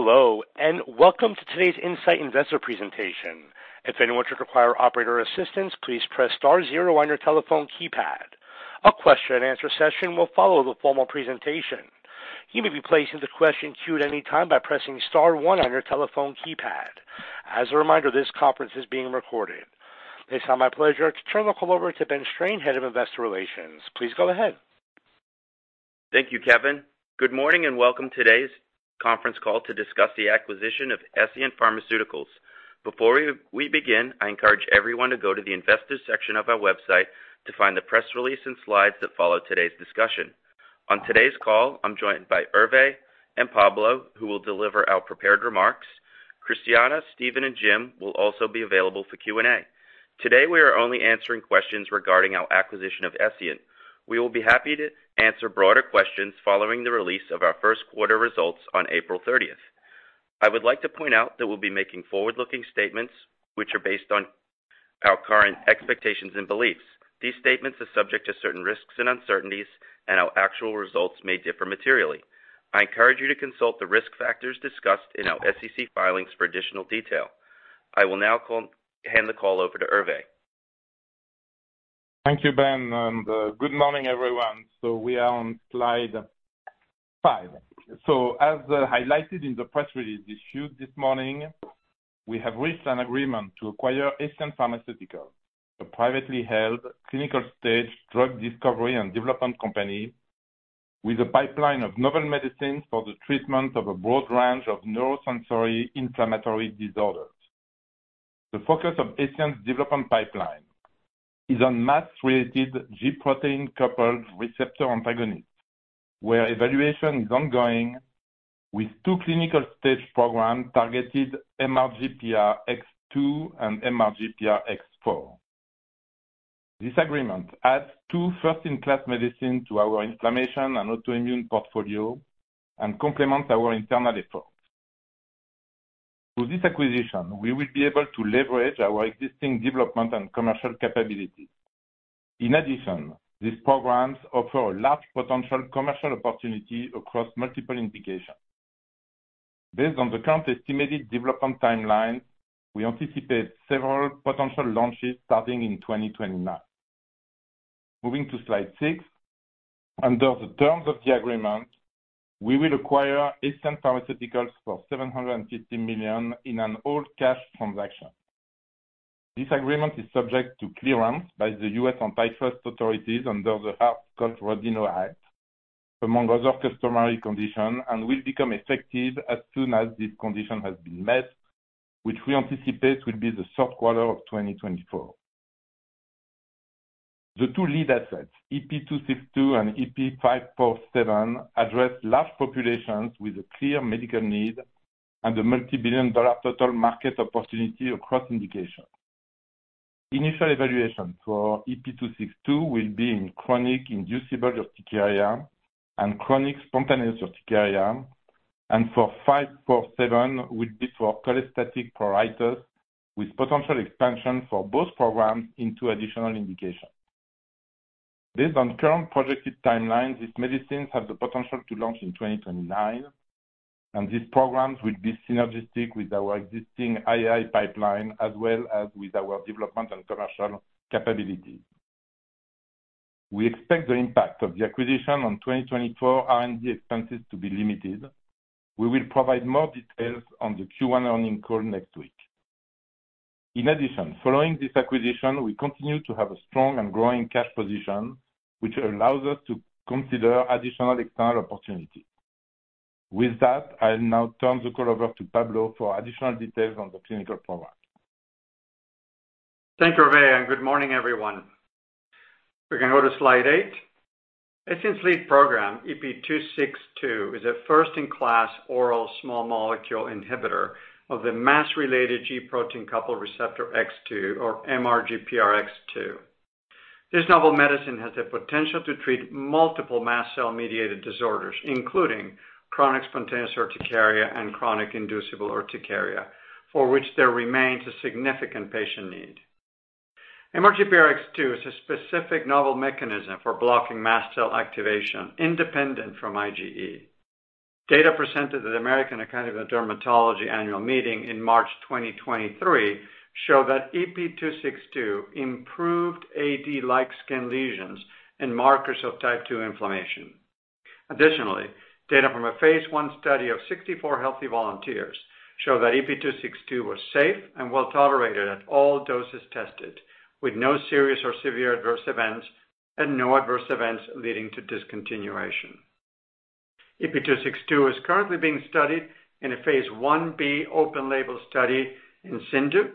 Hello and welcome to today's Incyte investor presentation. If anyone should require operator assistance, please press star zero on your telephone keypad. A question and answer session will follow the formal presentation. You may be placed into question queue at any time by pressing star one on your telephone keypad. As a reminder, this conference is being recorded. This time my pleasure to turn the call over to Ben Strain, Head of investor relations. Please go ahead. Thank you, Kevin. Good morning and welcome to today's conference call to discuss the acquisition of Escient Pharmaceuticals. Before we begin, I encourage everyone to go to the investors section of our website to find the press release and slides that follow today's discussion. On today's call, I'm joined by Hervé and Pablo, who will deliver our prepared remarks. Christiana, Steven, and Jim will also be available for Q&A. Today we are only answering questions regarding our acquisition of Escient. We will be happy to answer broader questions following the release of our first quarter results on April 30th. I would like to point out that we'll be making forward-looking statements which are based on our current expectations and beliefs. These statements are subject to certain risks and uncertainties, and our actual results may differ materially. I encourage you to consult the risk factors discussed in our SEC filings for additional detail. I will now hand the call over to Hervé. Thank you, Ben, and good morning, everyone. We are on slide five. As highlighted in the press release issued this morning, we have reached an agreement to acquire Escient Pharmaceuticals, a privately held clinical-stage drug discovery and development company with a pipeline of novel medicines for the treatment of a broad range of neurosensory inflammatory disorders. The focus of Escient's development pipeline is on Mas-related G protein-coupled receptor antagonists, where evaluation is ongoing with two clinical-stage programs targeted: MRGPRX2 and MRGPRX4. This agreement adds two first-in-class medicines to our inflammation and autoimmune portfolio and complements our internal efforts. With this acquisition, we will be able to leverage our existing development and commercial capabilities. In addition, these programs offer a large potential commercial opportunity across multiple indications. Based on the current estimated development timelines, we anticipate several potential launches starting in 2029. Moving to slide six, under the terms of the agreement, we will acquire Escient Pharmaceuticals for $750 million in an all-cash transaction. This agreement is subject to clearance by the U.S. antitrust authorities under the Hart-Scott-Rodino Act, among other customary conditions, and will become effective as soon as this condition has been met, which we anticipate will be the third quarter of 2024. The two lead assets, EP262 and EP547, address large populations with a clear medical need and a multibillion-dollar total market opportunity across indications. Initial evaluations for EP262 will be in chronic inducible urticaria and chronic spontaneous urticaria, and for EP547 will be for cholestatic pruritus with potential expansion for both programs into additional indications. Based on current projected timelines, these medicines have the potential to launch in 2029, and these programs will be synergistic with our existing IAI pipeline as well as with our development and commercial capabilities. We expect the impact of the acquisition on 2024 R&D expenses to be limited. We will provide more details on the Q1 earnings call next week. In addition, following this acquisition, we continue to have a strong and growing cash position, which allows us to consider additional external opportunities. With that, I'll now turn the call over to Pablo for additional details on the clinical program. Thank you, Hervé, and good morning, everyone. We can go to slide eight. Escient's lead program, EP262, is a first-in-class oral small molecule inhibitor of the Mas-related G protein-coupled receptor X2, or MRGPRX2. This novel medicine has the potential to treat multiple mast cell-mediated disorders, including chronic spontaneous urticaria and chronic inducible urticaria, for which there remains a significant patient need. MRGPRX2 is a specific novel mechanism for blocking mast cell activation independent from IgE. Data presented at the American Academy of Dermatology annual meeting in March 2023 showed that EP262 improved AD-like skin lesions and markers of type 2 inflammation. Additionally, data from a phase I study of 64 healthy volunteers showed that EP262 was safe and well-tolerated at all doses tested, with no serious or severe adverse events and no adverse events leading to discontinuation. EP262 is currently being studied in a phase I-B open-label study in CIndU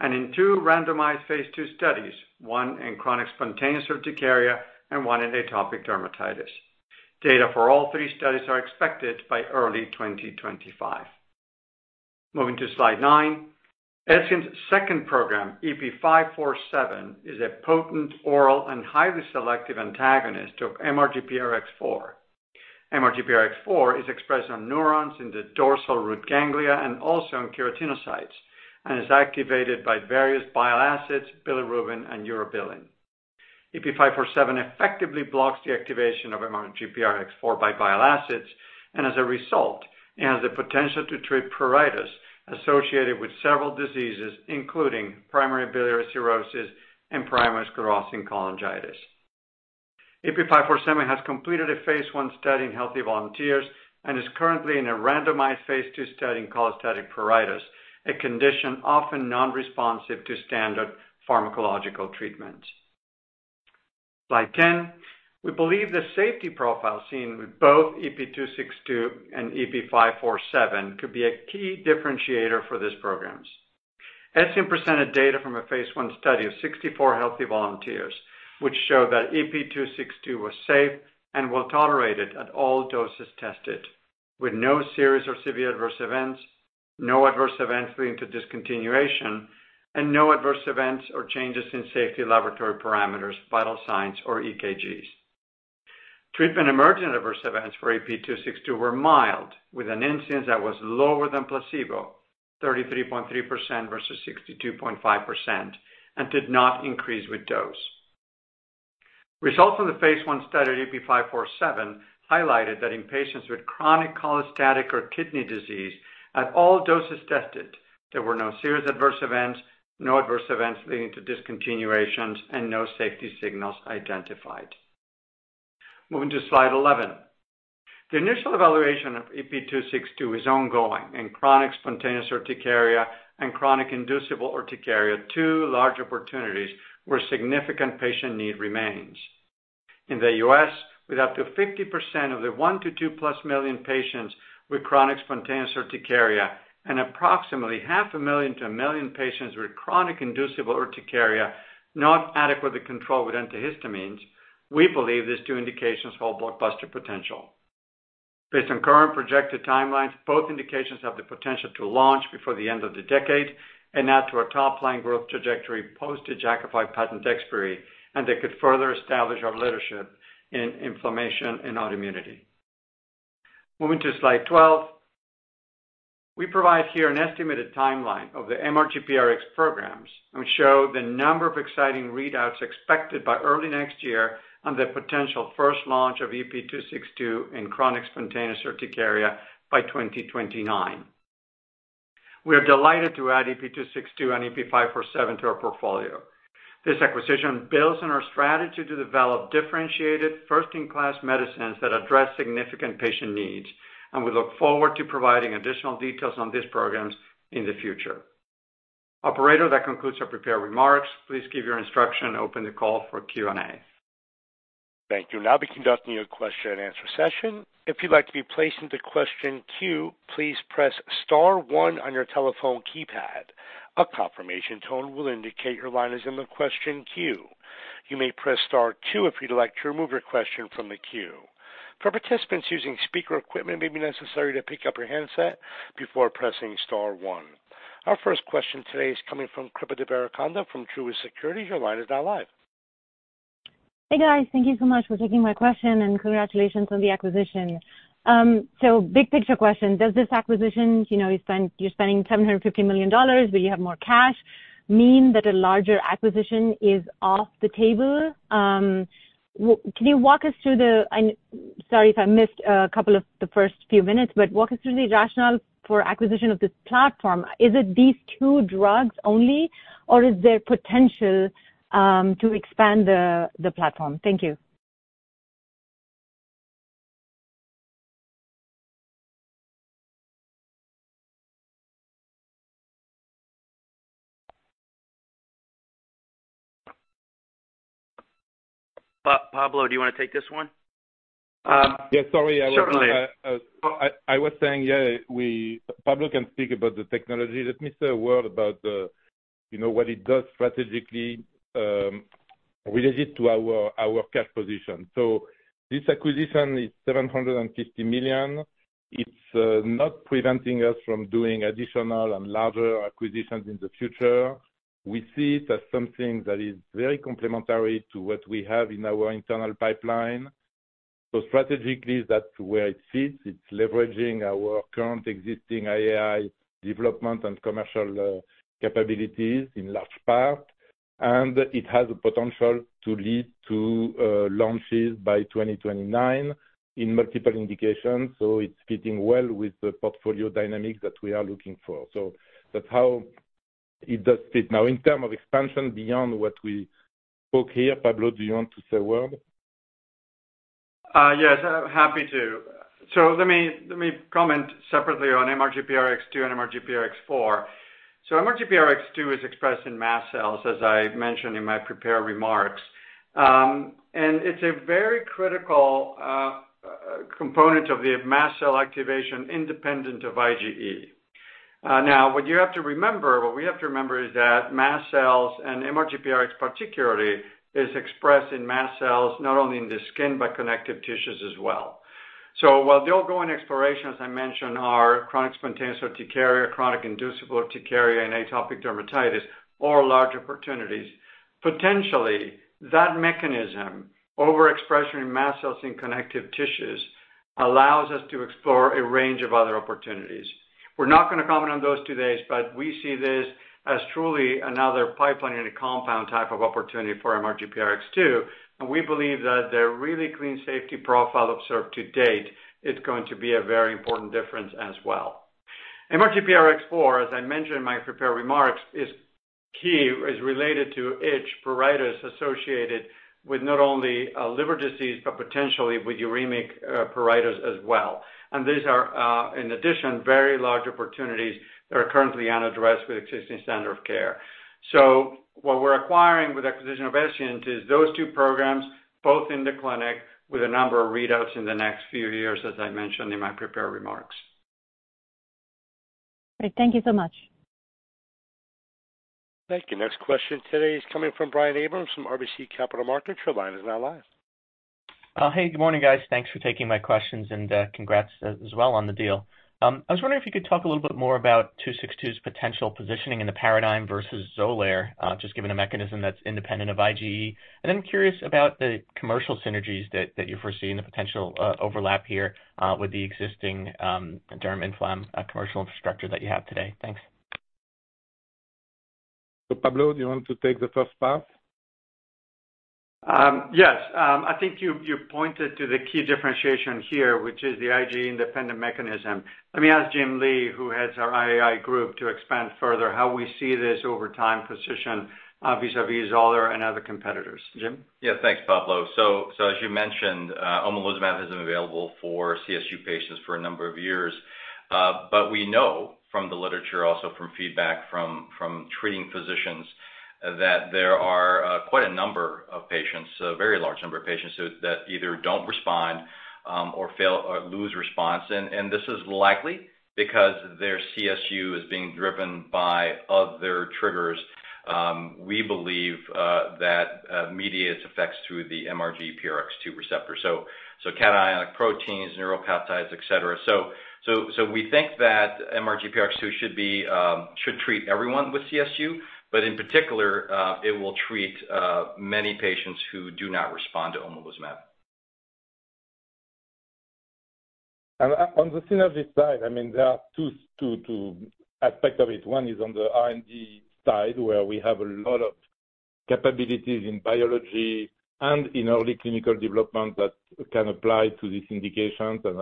and in two randomized phase II studies, one in chronic spontaneous urticaria and one in atopic dermatitis. Data for all three studies are expected by early 2025. Moving to slide nine, Escient's second program, EP547, is a potent oral and highly selective antagonist of MRGPRX4. MRGPRX4 is expressed on neurons in the dorsal root ganglia and also in keratinocytes and is activated by various bile acids, bilirubin, and urobilin. EP547 effectively blocks the activation of MRGPRX4 by bile acids, and as a result, it has the potential to treat pruritus associated with several diseases, including primary biliary cholangitis and primary sclerosing cholangitis. EP547 has completed a phase 1 study in healthy volunteers and is currently in a randomized phase II study in cholestatic pruritus, a condition often non-responsive to standard pharmacological treatments. Slide 10, we believe the safety profile seen with both EP262 and EP547 could be a key differentiator for these programs. Escient presented data from a phase I study of 64 healthy volunteers, which showed that EP262 was safe and well-tolerated at all doses tested, with no serious or severe adverse events, no adverse events leading to discontinuation, and no adverse events or changes in safety laboratory parameters, vital signs, or EKGs. Treatment emergent adverse events for EP262 were mild, with an incidence that was lower than placebo, 33.3% versus 62.5%, and did not increase with dose. Results from the phase I study of EP547 highlighted that in patients with chronic cholestatic or kidney disease at all doses tested, there were no serious adverse events, no adverse events leading to discontinuations, and no safety signals identified. Moving to slide 11, the initial evaluation of EP262 is ongoing, and chronic spontaneous urticaria and chronic inducible urticaria - two large opportunities - where significant patient need remains. In the U.S., with up to 50% of the 1 million-2+ million patients with chronic spontaneous urticaria and approximately 500,000-1 million patients with chronic inducible urticaria not adequately controlled with antihistamines, we believe these two indications hold blockbuster potential. Based on current projected timelines, both indications have the potential to launch before the end of the decade and add to our top-line growth trajectory post the Jakafi patent expiry, and they could further establish our leadership in inflammation and autoimmunity. Moving to slide 12, we provide here an estimated timeline of the MRGPRX programs and show the number of exciting readouts expected by early next year on the potential first launch of EP262 in chronic spontaneous urticaria by 2029. We are delighted to add EP262 and EP547 to our portfolio. This acquisition builds on our strategy to develop differentiated first-in-class medicines that address significant patient needs, and we look forward to providing additional details on these programs in the future. Operator, that concludes our prepared remarks. Please give your instruction and open the call for Q&A. Thank you. Now we'll be conducting a question and answer session. If you'd like to be placed into question queue, please press star one on your telephone keypad. A confirmation tone will indicate your line is in the question queue. You may press star two if you'd like to remove your question from the queue. For participants using speaker equipment, it may be necessary to pick up your handset before pressing star one. Our first question today is coming from Kripa Devarakonda from Truist Securities. Your line is now live. Hey, guys. Thank you so much for taking my question, and congratulations on the acquisition. So big picture question: does this acquisition—you're spending $750 million, but you have more cash—mean that a larger acquisition is off the table? Can you walk us through the—and sorry if I missed a couple of the first few minutes—but walk us through the rationale for acquisition of this platform. Is it these two drugs only, or is there potential to expand the platform? Thank you. Pablo, do you want to take this one? Yeah, sorry. I was saying, yeah, Pablo can speak about the technology. Let me say a word about what it does strategically related to our cash position. So this acquisition is $750 million. It's not preventing us from doing additional and larger acquisitions in the future. We see it as something that is very complementary to what we have in our internal pipeline. So strategically, that's where it fits. It's leveraging our current existing IAI development and commercial capabilities in large part, and it has the potential to lead to launches by 2029 in multiple indications. So it's fitting well with the portfolio dynamics that we are looking for. So that's how it does fit. Now, in terms of expansion beyond what we spoke here, Pablo, do you want to say a word? Yes, happy to. So let me comment separately on MRGPRX2 and MRGPRX4. So MRGPRX2 is expressed in mast cells, as I mentioned in my prepared remarks, and it's a very critical component of the mast cell activation independent of IgE. Now, what you have to remember, what we have to remember, is that mast cells and MRGPRX2 particularly is expressed in mast cells not only in the skin but connective tissues as well. So while the ongoing exploration, as I mentioned, are chronic spontaneous urticaria, chronic inducible urticaria, and atopic dermatitis or large opportunities, potentially, that mechanism, overexpression in mast cells and connective tissues, allows us to explore a range of other opportunities. We're not going to comment on those today, but we see this as truly another pipeline and a compound type of opportunity for MRGPRX2, and we believe that the really clean safety profile observed to date is going to be a very important difference as well. MRGPRX4, as I mentioned in my prepared remarks, is key. It is related to itch, pruritus associated with not only liver disease but potentially with uremic pruritus as well. These are, in addition, very large opportunities that are currently unaddressed with existing standard of care. So what we're acquiring with the acquisition of Escient is those two programs, both in the clinic, with a number of readouts in the next few years, as I mentioned in my prepared remarks. Great. Thank you so much. Thank you. Next question today is coming from Brian Abrahams from RBC Capital Markets. Your line is now live. Hey, good morning, guys. Thanks for taking my questions, and congrats as well on the deal. I was wondering if you could talk a little bit more about 262's potential positioning in the paradigm versus XOLAIR, just given a mechanism that's independent of IgE. And then I'm curious about the commercial synergies that you foresee and the potential overlap here with the existing derm-inflam commercial infrastructure that you have today. Thanks. So Pablo, do you want to take the first pass? Yes. I think you pointed to the key differentiation here, which is the IgE-independent mechanism. Let me ask Jim Lee, who heads our IAI group, to expand further how we see this over time position vis-à-vis XOLAIR and other competitors. Jim? Yeah, thanks, Pablo. So as you mentioned, omalizumab has been available for CSU patients for a number of years. But we know from the literature, also from feedback from treating physicians, that there are quite a number of patients, a very large number of patients, that either don't respond or lose response. And this is likely because their CSU is being driven by other triggers. We believe that mediates effects through the MRGPRX2 receptor, so cationic proteins, neuropeptides, etc. So we think that MRGPRX2 should treat everyone with CSU, but in particular, it will treat many patients who do not respond to omalizumab. On the synergy side, I mean, there are two aspects of it. One is on the R&D side, where we have a lot of capabilities in biology and in early clinical development that can apply to these indications and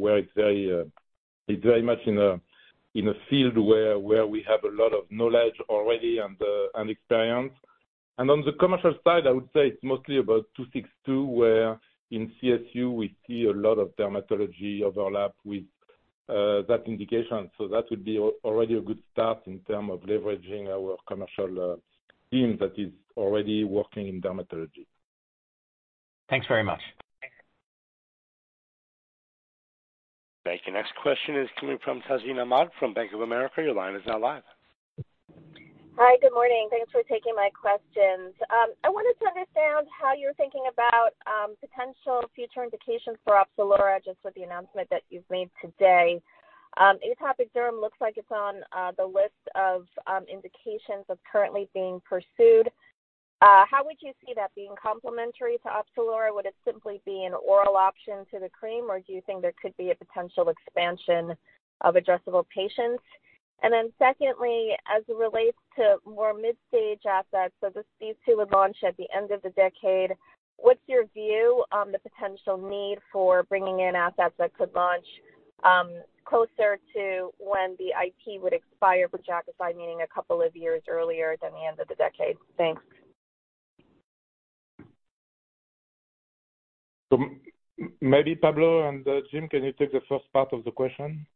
where it's very much in a field where we have a lot of knowledge already and experience. On the commercial side, I would say it's mostly about 262, where in CSU, we see a lot of dermatology overlap with that indication. So that would be already a good start in terms of leveraging our commercial team that is already working in dermatology. Thanks very much. Thank you. Next question is coming from Tazeen Ahmad from Bank of America. Your line is now live. Hi, good morning. Thanks for taking my questions. I wanted to understand how you're thinking about potential future indications for OPZELURA, just with the announcement that you've made today. Atopic derm looks like it's on the list of indications that's currently being pursued. How would you see that being complementary to OPZELURA? Would it simply be an oral option to the cream, or do you think there could be a potential expansion of addressable patients? And then secondly, as it relates to more mid-stage assets—so these two would launch at the end of the decade—what's your view on the potential need for bringing in assets that could launch closer to when the IP would expire for Jakafi, meaning a couple of years earlier than the end of the decade? Thanks. Maybe, Pablo and Jim, can you take the first part of the question?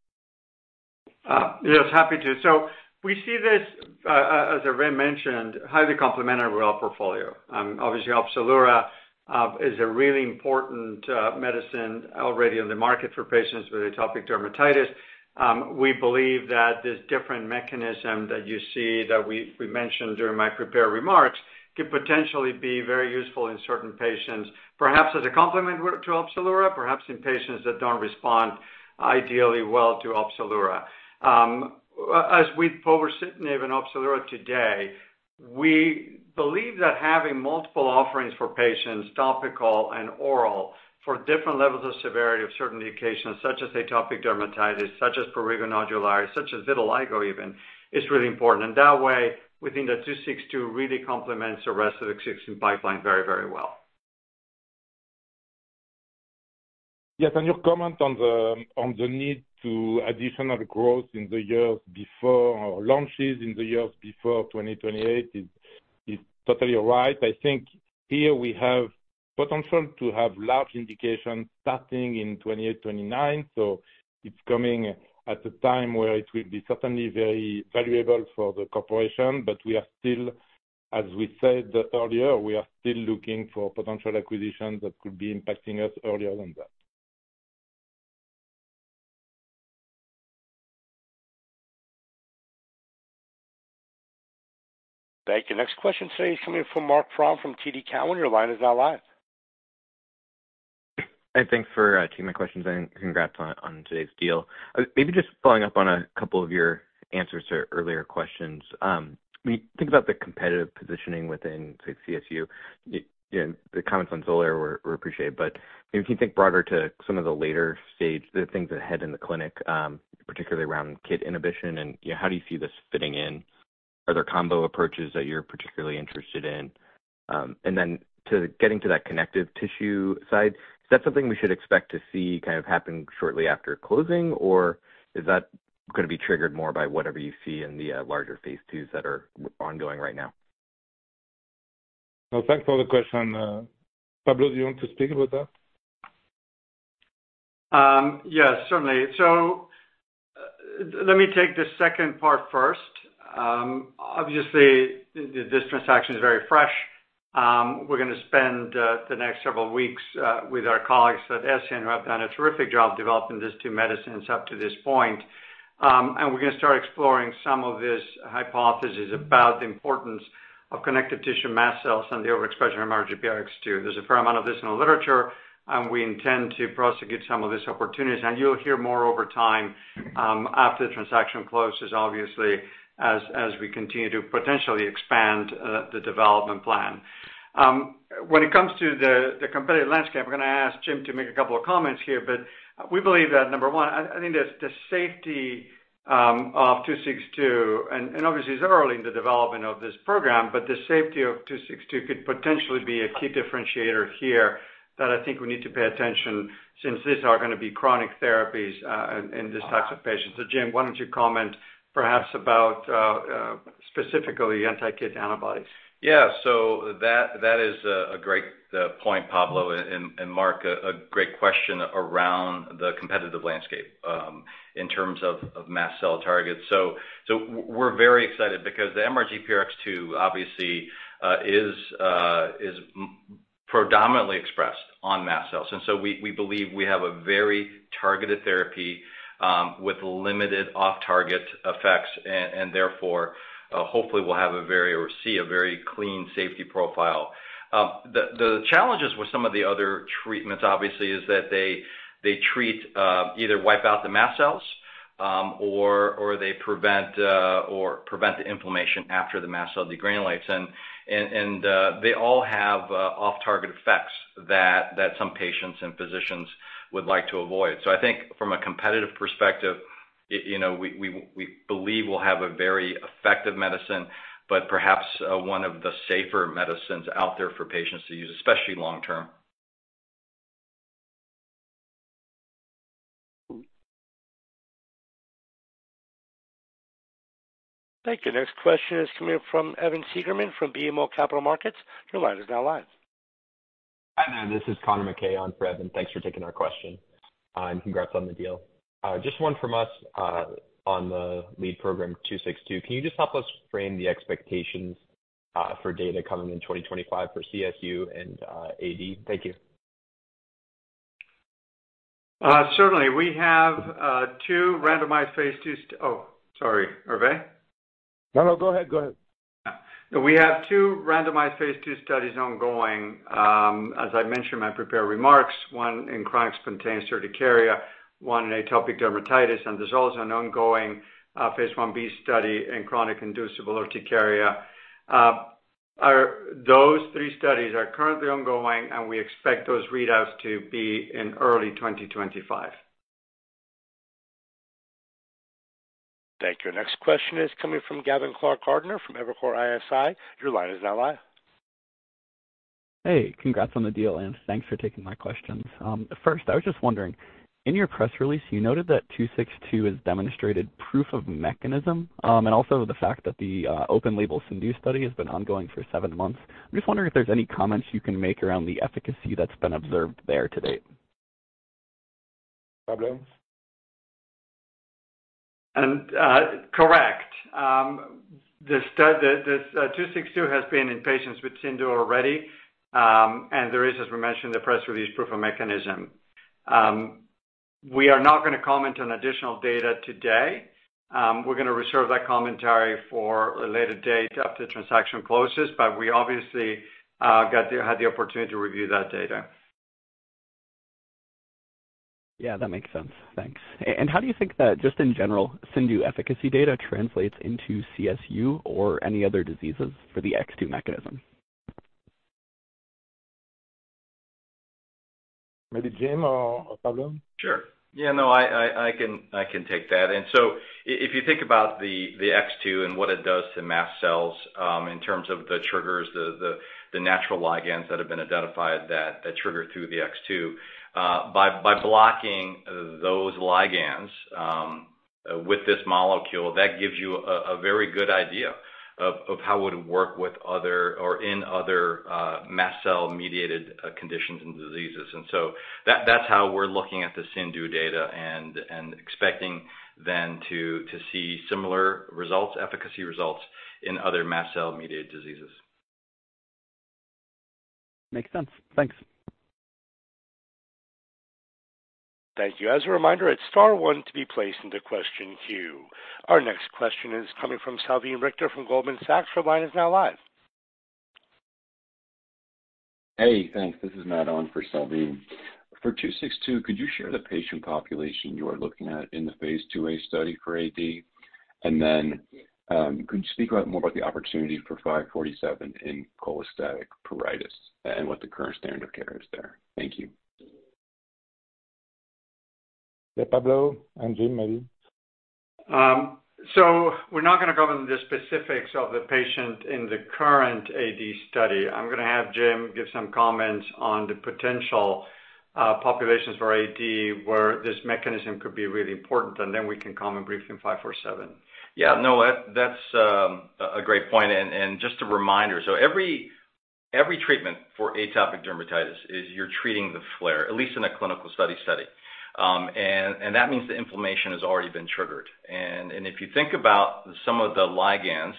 Yes, happy to. So we see this, as I mentioned, highly complementary with our portfolio. Obviously, OPZELURA is a really important medicine already on the market for patients with atopic dermatitis. We believe that this different mechanism that you see that we mentioned during my prepared remarks could potentially be very useful in certain patients, perhaps as a complement to OPZELURA, perhaps in patients that don't respond ideally well to OPZELURA. As we see it in OPZELURA today, we believe that having multiple offerings for patients, topical and oral, for different levels of severity of certain indications, such as atopic dermatitis, such as prurigo nodularis, such as vitiligo even, is really important. And that way, we think that 262 really complements the rest of the CSU pipeline very, very well. Yes, and your comment on the need for additional growth in the years before our launches in the years before 2028 is totally right. I think here we have potential to have large indications starting in 2028, 2029. So it's coming at a time where it will be certainly very valuable for the corporation. But we are still, as we said earlier, we are still looking for potential acquisitions that could be impacting us earlier than that. Thank you. Next question today is coming from Marc Frahm from TD Cowen. Your line is now live. Hey, thanks for taking my questions. Congrats on today's deal. Maybe just following up on a couple of your answers to earlier questions. When you think about the competitive positioning within, say, CSU, the comments on XOLAIR were appreciated. But if you can think broader to some of the later stage, the things ahead in the clinic, particularly around KIT inhibition, and how do you see this fitting in? Are there combo approaches that you're particularly interested in? And then getting to that connective tissue side, is that something we should expect to see kind of happen shortly after closing, or is that going to be triggered more by whatever you see in the larger phase IIs that are ongoing right now? No, thanks for the question. Pablo, do you want to speak about that? Yes, certainly. So let me take the second part first. Obviously, this transaction is very fresh. We're going to spend the next several weeks with our colleagues at Escient, who have done a terrific job developing these two medicines up to this point. And we're going to start exploring some of these hypotheses about the importance of connective tissue mast cells and the overexpression of MRGPRX2. There's a fair amount of this in the literature, and we intend to prosecute some of these opportunities. And you'll hear more over time after the transaction closes, obviously, as we continue to potentially expand the development plan. When it comes to the competitive landscape, I'm going to ask Jim to make a couple of comments here. But we believe that, number one, I think the safety of 262 - and obviously, it's early in the development of this program - but the safety of 262 could potentially be a key differentiator here that I think we need to pay attention since these are going to be chronic therapies in these types of patients. So Jim, why don't you comment perhaps about specifically anti-KIT antibodies? Yeah, so that is a great point, Pablo and Mark, a great question around the competitive landscape in terms of mast cell targets. So we're very excited because the MRGPRX2, obviously, is predominantly expressed on mast cells. And so we believe we have a very targeted therapy with limited off-target effects. And therefore, hopefully, we'll see a very clean safety profile. The challenges with some of the other treatments, obviously, is that they treat either wipe out the mast cells or they prevent the inflammation after the mast cell degranulates. And they all have off-target effects that some patients and physicians would like to avoid. So I think from a competitive perspective, we believe we'll have a very effective medicine but perhaps one of the safer medicines out there for patients to use, especially long-term. Thank you. Next question is coming from Evan Segerman from BMO Capital Markets. Your line is now live. Hi there. This is Connor McKay on for Evan. Thanks for taking our question, and congrats on the deal. Just one from us on the lead program, 262. Can you just help us frame the expectations for data coming in 2025 for CSU and AD? Thank you. Certainly. We have two randomized phase II, oh, sorry, Hervé? No, no, go ahead. Go ahead. Yeah. We have two randomized phase II studies ongoing, as I mentioned in my prepared remarks, one in chronic spontaneous urticaria, one in atopic dermatitis. There's also an ongoing phase I-B study in chronic inducible urticaria. Those three studies are currently ongoing, and we expect those readouts to be in early 2025. Thank you. Next question is coming from Gavin Clark-Gartner from Evercore ISI. Your line is now live. Hey, congrats on the deal, and thanks for taking my questions. First, I was just wondering, in your press release, you noted that 262 has demonstrated proof of mechanism and also the fact that the open-label CindU study has been ongoing for seven months. I'm just wondering if there's any comments you can make around the efficacy that's been observed there to date. Pablo? Correct. 262 has been in patients with CIndU already, and there is, as we mentioned, the press release proof of mechanism. We are not going to comment on additional data today. We're going to reserve that commentary for a later date after the transaction closes. But we obviously had the opportunity to review that data. Yeah, that makes sense. Thanks. And how do you think that, just in general, CIndU efficacy data translates into CSU or any other diseases for the X2 mechanism? Maybe Jim or Pablo? Sure. Yeah, no, I can take that. So if you think about the X2 and what it does to mast cells in terms of the triggers, the natural ligands that have been identified that trigger through the X2, by blocking those ligands with this molecule, that gives you a very good idea of how it would work in other mast cell-mediated conditions and diseases. So that's how we're looking at the CIndU data and expecting then to see similar results, efficacy results, in other mast cell-mediated diseases. Makes sense. Thanks. Thank you. As a reminder, it's star one to be placed into question queue. Our next question is coming from Salveen Richter from Goldman Sachs. Your line is now live. Hey, thanks. This is Matt Owen for Salveen. For 262, could you share the patient population you are looking at in the phase II-A study for AD? And then could you speak more about the opportunity for 547 in cholestatic pruritus and what the current standard of care is there? Thank you. Yeah, Pablo and Jim, maybe. We're not going to go into the specifics of the patient in the current AD study. I'm going to have Jim give some comments on the potential populations for AD where this mechanism could be really important, and then we can comment briefly on 547. Yeah, no, that's a great point. Just a reminder, so every treatment for atopic dermatitis is you're treating the flare, at least in a clinical study. That means the inflammation has already been triggered. If you think about some of the ligands,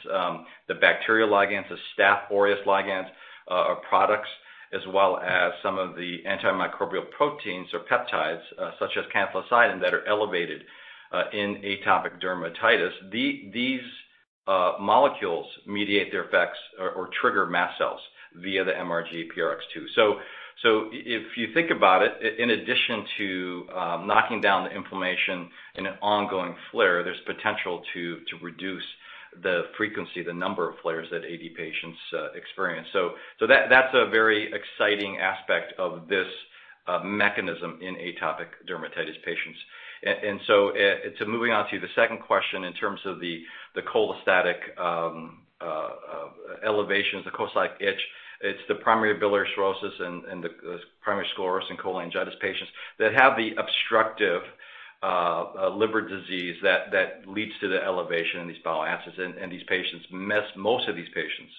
the bacterial ligands, the Staph aureus ligands or products, as well as some of the antimicrobial proteins or peptides such as cathelicidin that are elevated in atopic dermatitis, these molecules mediate their effects or trigger mast cells via the MRGPRX2. If you think about it, in addition to knocking down the inflammation in an ongoing flare, there's potential to reduce the frequency, the number of flares that AD patients experience. That's a very exciting aspect of this mechanism in atopic dermatitis patients. Moving on to the second question in terms of the cholestatic elevations, the cholestatic itch, it's the primary biliary cholangitis and the primary sclerosing cholangitis patients that have the obstructive liver disease that leads to the elevation in these bile acids. Most of these patients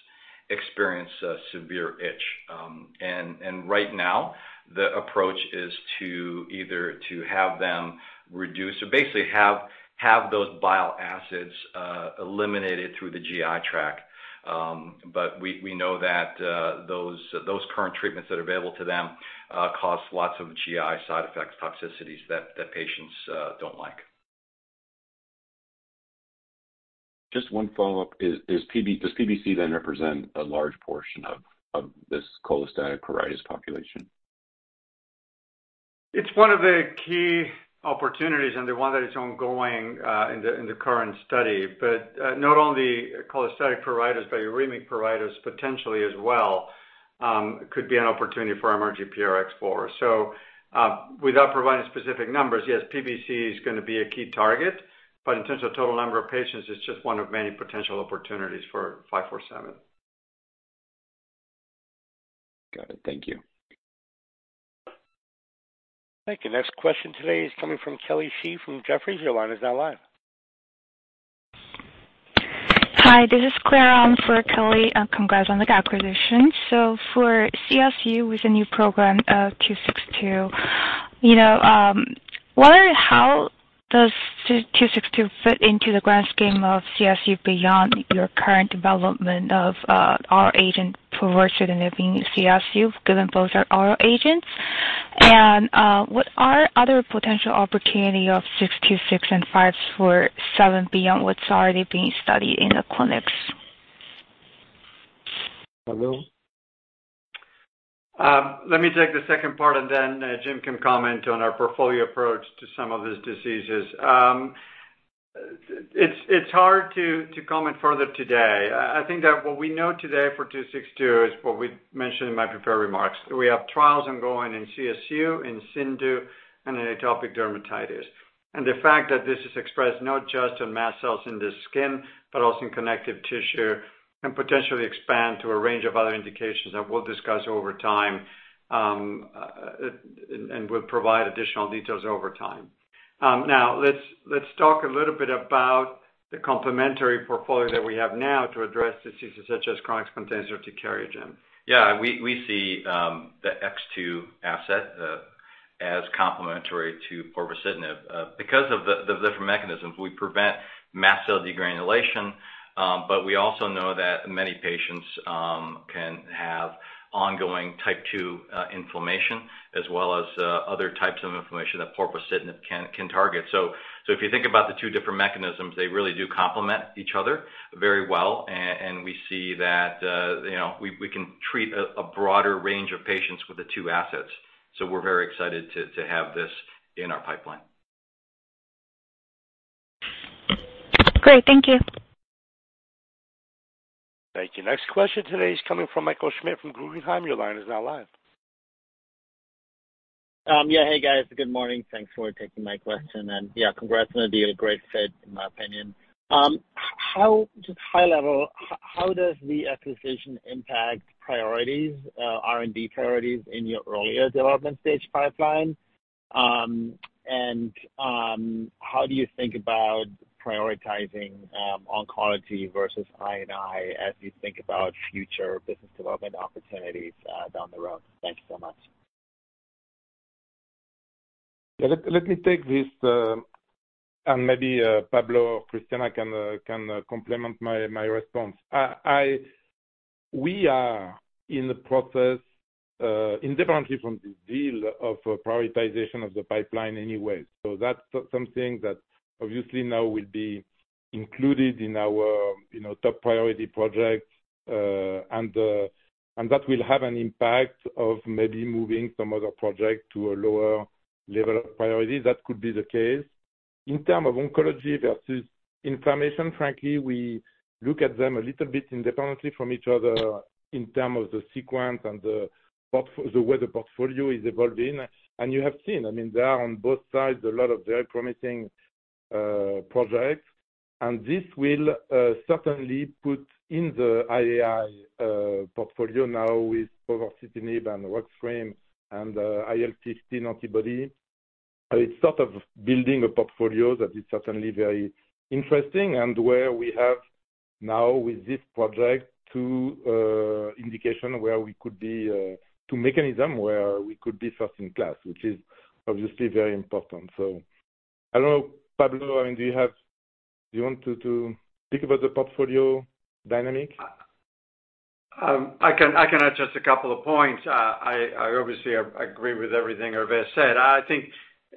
experience severe itch. Right now, the approach is either to have them reduce or basically have those bile acids eliminated through the GI tract. But we know that those current treatments that are available to them cause lots of GI side effects, toxicities that patients don't like. Just one follow-up. Does PBC then represent a large portion of this cholestatic pruritus population? It's one of the key opportunities, and the one that is ongoing in the current study. But not only cholestatic pruritus, but uremic pruritus potentially as well could be an opportunity for MRGPRX4. So without providing specific numbers, yes, PBC is going to be a key target. But in terms of total number of patients, it's just one of many potential opportunities for 547. Got it. Thank you. Thank you. Next question today is coming from Kelly Shi from Jefferies. Your line is now live. Hi, this is Claire Owen for Kelly. Congrats on the acquisition. So for CSU with the new program, 262, how does 262 fit into the grand scheme of CSU beyond your current development of oral agent Povorcitinib in CSU, given both are oral agents? And what are other potential opportunities of 262 and 547 beyond what's already being studied in the clinics? Pablo? Let me take the second part, and then Jim can comment on our portfolio approach to some of these diseases. It's hard to comment further today. I think that what we know today for 262 is what we mentioned in my prepared remarks. We have trials ongoing in CSU, in CIndU, and in atopic dermatitis. And the fact that this is expressed not just in mast cells in the skin but also in connective tissue can potentially expand to a range of other indications that we'll discuss over time and will provide additional details over time. Now, let's talk a little bit about the complementary portfolio that we have now to address diseases such as chronic spontaneous urticaria, Jim. Yeah, we see the X2 asset as complementary to Povorcitinib. Because of the different mechanisms, we prevent mast cell degranulation. But we also know that many patients can have ongoing type 2 inflammation as well as other types of inflammation that Povorcitinib can target. So if you think about the two different mechanisms, they really do complement each other very well. And we see that we can treat a broader range of patients with the two assets. So we're very excited to have this in our pipeline. Great. Thank you. Thank you. Next question today is coming from Michael Schmidt from Guggenheim. Your line is now live. Yeah, hey, guys. Good morning. Thanks for taking my question. And yeah, congrats on the deal. Great fit, in my opinion. Just high level, how does the acquisition impact priorities, R&D priorities, in your earlier development stage pipeline? And how do you think about prioritizing oncology versus IAI as you think about future business development opportunities down the road? Thank you so much. Yeah, let me take this. And maybe Pablo or Christiana can complement my response. We are in the process, independently from this deal, of prioritization of the pipeline anyway. So that's something that, obviously, now will be included in our top priority projects. And that will have an impact of maybe moving some other projects to a lower level of priority. That could be the case. In terms of oncology versus inflammation, frankly, we look at them a little bit independently from each other in terms of the sequence and the way the portfolio is evolving. And you have seen, I mean, there are on both sides a lot of very promising projects. And this will certainly put in the IAI portfolio now with Povorcitinib and Rosnilimab and IL-15 antibody. It's sort of building a portfolio that is certainly very interesting and where we have now with this project two indications where we could be two mechanisms where we could be first-in-class, which is obviously very important. So I don't know, Pablo, I mean, do you want to speak about the portfolio dynamic? I can add just a couple of points. I obviously agree with everything Hervé said. I think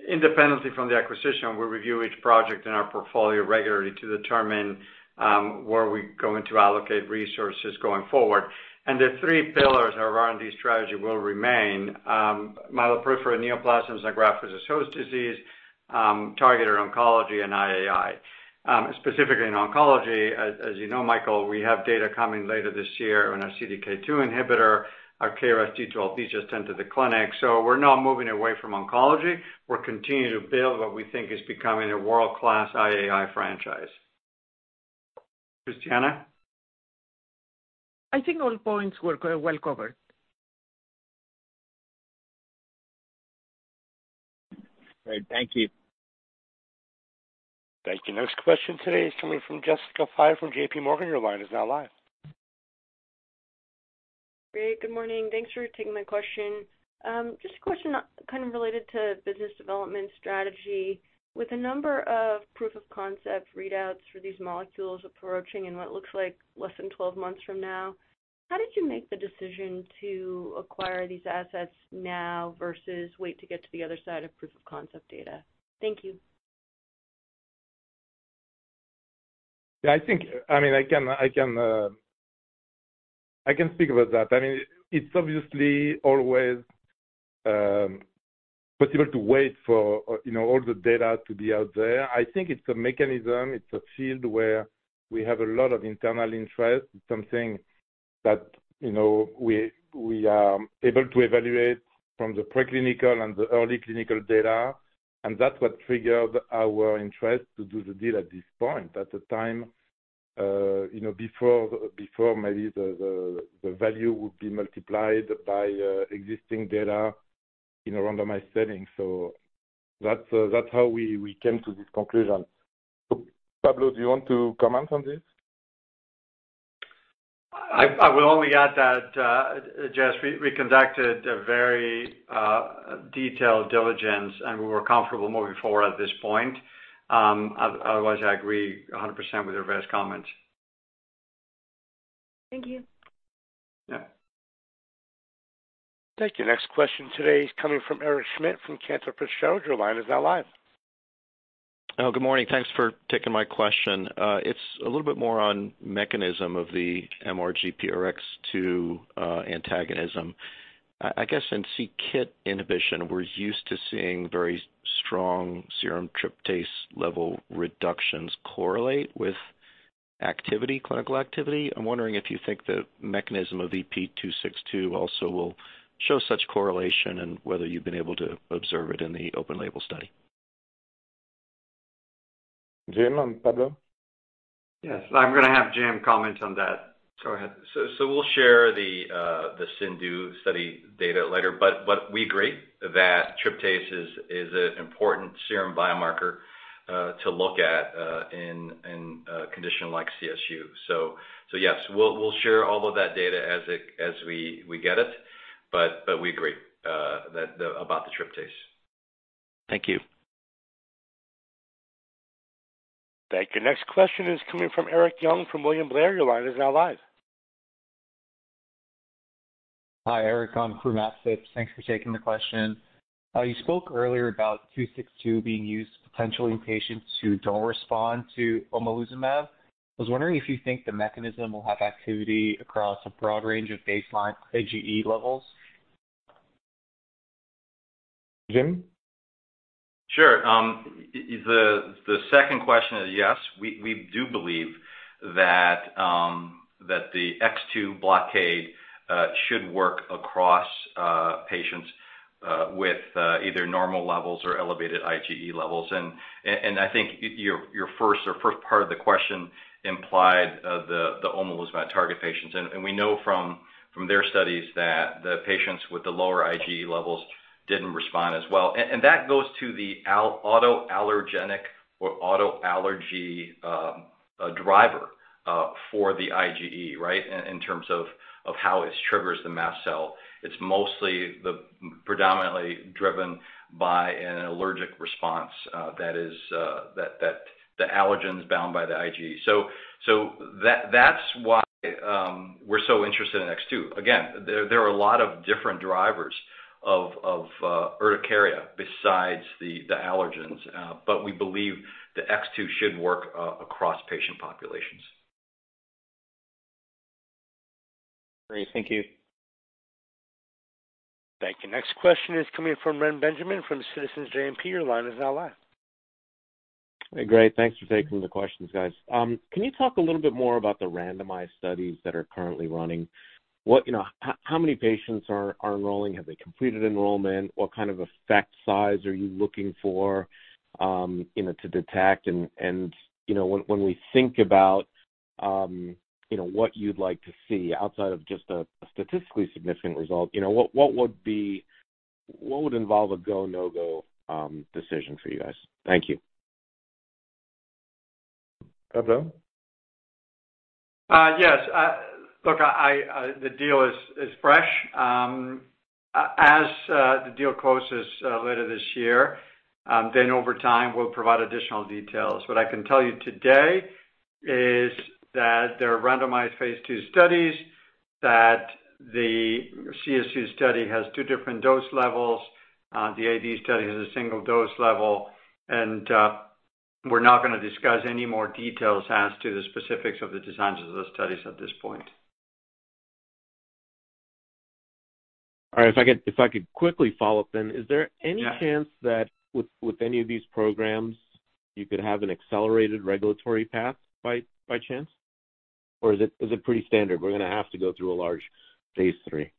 independently from the acquisition, we review each project in our portfolio regularly to determine where we're going to allocate resources going forward. The three pillars of our R&D strategy will remain: myeloproliferative neoplasms and graft-versus-host disease, targeted oncology, and IAI. Specifically in oncology, as you know, Michael, we have data coming later this year on our CDK2 inhibitor, our KRAS G12D just entered the clinic. So we're not moving away from oncology. We're continuing to build what we think is becoming a world-class IAI franchise. Christiana? I think all points were well covered. Great. Thank you. Thank you. Next question today is coming from Jessica Fye from JPMorgan. Your line is now live. Great. Good morning. Thanks for taking my question. Just a question kind of related to business development strategy. With a number of proof of concept readouts for these molecules approaching in what looks like less than 12 months from now, how did you make the decision to acquire these assets now versus wait to get to the other side of proof of concept data? Thank you. Yeah, I mean, again, I can speak about that. I mean, it's obviously always possible to wait for all the data to be out there. I think it's a mechanism. It's a field where we have a lot of internal interest. It's something that we are able to evaluate from the preclinical and the early clinical data. And that's what triggered our interest to do the deal at this point, at the time before maybe the value would be multiplied by existing data in a randomized setting. So that's how we came to this conclusion. Pablo, do you want to comment on this? I will only add that, Jess, we conducted a very detailed diligence, and we were comfortable moving forward at this point. Otherwise, I agree 100% with Hervé's comments. Thank you. Yeah. Thank you. Next question today is coming from Eric Schmidt from Cantor Fitzgerald. Your line is now live. Oh, good morning. Thanks for taking my question. It's a little bit more on mechanism of the MRGPRX2 antagonism. I guess in c-KIT inhibition, we're used to seeing very strong serum tryptase level reductions correlate with clinical activity. I'm wondering if you think the mechanism of EP262 also will show such correlation and whether you've been able to observe it in the open-label study. Jim and Pablo? Yes. I'm going to have Jim comment on that. Go ahead. So we'll share the CindU study data later. But we agree that tryptase is an important serum biomarker to look at in a condition like CSU. So yes, we'll share all of that data as we get it. But we agree about the tryptase. Thank you. Thank you. Next question is coming from Eric Young from William Blair. Your line is now live. Hi, Eric. This is Matt Phipps. Thanks for taking the question. You spoke earlier about 262 being used potentially in patients who don't respond to omalizumab. I was wondering if you think the mechanism will have activity across a broad range of baseline IgE levels? Jim? Sure. The second question is yes. We do believe that the X2 blockade should work across patients with either normal levels or elevated IgE levels. And I think your first part of the question implied the omalizumab target patients. And we know from their studies that the patients with the lower IgE levels didn't respond as well. And that goes to the autoallergenic or autoallergy driver for the IgE, right, in terms of how it triggers the mast cell. It's predominantly driven by an allergic response that is the allergens bound by the IgE. So that's why we're so interested in X2. Again, there are a lot of different drivers of urticaria besides the allergens. But we believe the X2 should work across patient populations. Great. Thank you. Thank you. Next question is coming from Reni Benjamin from Citizens JMP. Your line is now live. Great. Thanks for taking the questions, guys. Can you talk a little bit more about the randomized studies that are currently running? How many patients are enrolling? Have they completed enrollment? What kind of effect size are you looking for to detect? And when we think about what you'd like to see outside of just a statistically significant result, what would involve a go-no-go decision for you guys? Thank you. Pablo? Yes. Look, the deal is fresh. As the deal closes later this year, then over time, we'll provide additional details. What I can tell you today is that there are randomized phase II studies, that the CSU study has two different dose levels, the AD study has a single dose level. We're not going to discuss any more details as to the specifics of the designs of the studies at this point. All right. If I could quickly follow up then, is there any chance that with any of these programs, you could have an accelerated regulatory path by chance? Or is it pretty standard? We're going to have to go through a large phase III?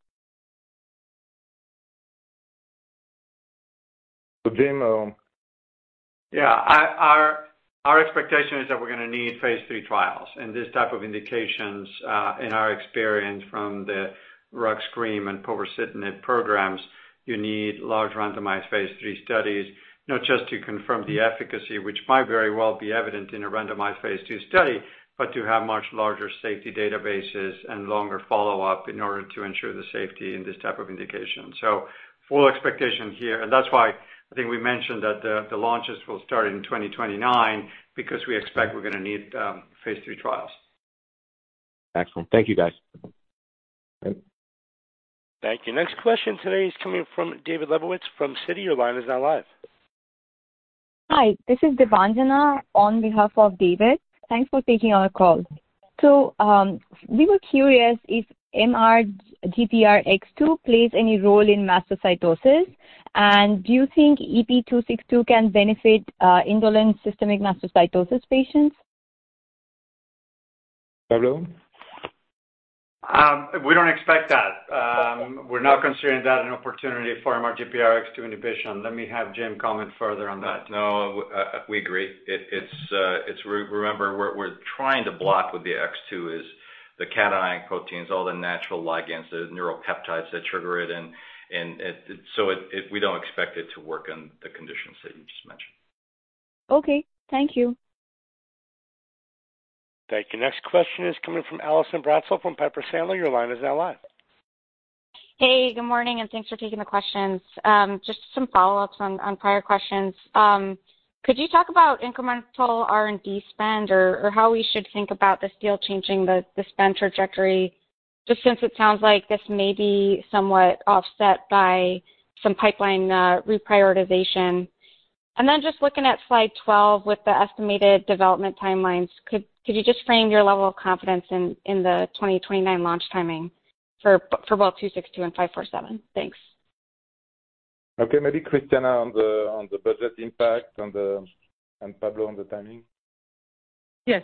So Jim. Yeah. Our expectation is that we're going to need phase III trials. This type of indications, in our experience from the Rosnilimab and Povorcitinib programs, you need large randomized phase III studies, not just to confirm the efficacy, which might very well be evident in a randomized phase II study, but to have much larger safety databases and longer follow-up in order to ensure the safety in this type of indication. Full expectation here. That's why I think we mentioned that the launches will start in 2029 because we expect we're going to need phase III trials. Excellent. Thank you, guys. Thank you. Next question today is coming from David Lebowitz from Citi. Your line is now live. Hi. This is Devanjana on behalf of David. Thanks for taking our call. We were curious if MRGPRX2 plays any role in mastocytosis. And do you think EP262 can benefit indolent systemic mastocytosis patients? Pablo? We don't expect that. We're not considering that an opportunity for MRGPRX2 inhibition. Let me have Jim comment further on that. No, we agree. Remember, what we're trying to block with the X2 is the cationic proteins, all the natural ligands, the neuropeptides that trigger it. And so we don't expect it to work in the conditions that you just mentioned. Okay. Thank you. Thank you. Next question is coming from Allison Bratzel from Piper Sandler. Your line is now live. Hey. Good morning. Thanks for taking the questions. Just some follow-ups on prior questions. Could you talk about incremental R&D spend or how we should think about this deal changing the spend trajectory just since it sounds like this may be somewhat offset by some pipeline reprioritization? And then just looking at slide 12 with the estimated development timelines, could you just frame your level of confidence in the 2029 launch timing for both 262 and 547? Thanks. Okay. Maybe Christiana on the budget impact and Pablo on the timing. Yes.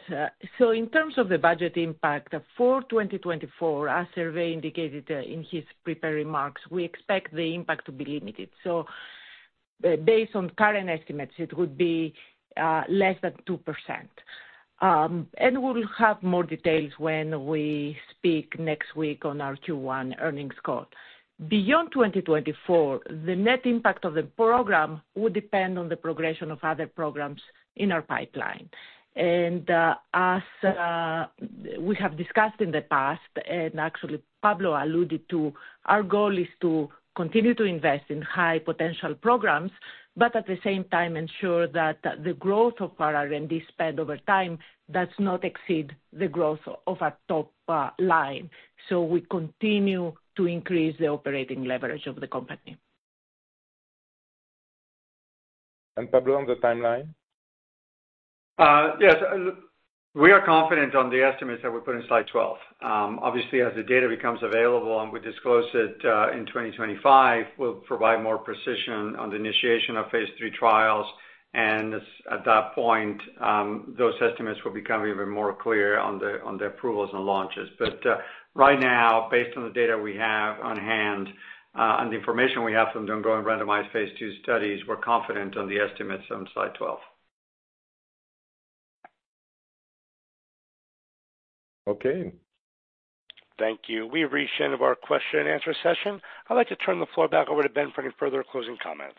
So in terms of the budget impact, for 2024, as Hervé indicated in his prepared remarks, we expect the impact to be limited. So based on current estimates, it would be less than 2%. And we'll have more details when we speak next week on our Q1 earnings call. Beyond 2024, the net impact of the program would depend on the progression of other programs in our pipeline. And as we have discussed in the past, and actually, Pablo alluded to, our goal is to continue to invest in high-potential programs, but at the same time, ensure that the growth of our R&D spend over time does not exceed the growth of our top line. So we continue to increase the operating leverage of the company. Pablo on the timeline? Yes. We are confident on the estimates that we put in slide 12. Obviously, as the data becomes available and we disclose it in 2025, we'll provide more precision on the initiation of phase III trials. At that point, those estimates will become even more clear on the approvals and launches. Right now, based on the data we have on hand and the information we have from the ongoing randomized phase II studies, we're confident on the estimates on slide 12. Okay. Thank you. We've reached the end of our question-and-answer session. I'd like to turn the floor back over to Ben for any further closing comments.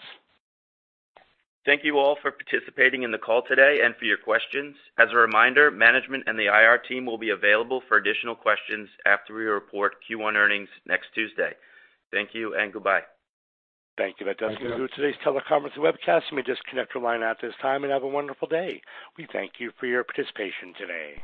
Thank you all for participating in the call today and for your questions. As a reminder, management and the IR team will be available for additional questions after we report Q1 earnings next Tuesday. Thank you and goodbye. Thank you. That does conclude today's teleconference webcast. You may just connect your line at this time and have a wonderful day. We thank you for your participation today.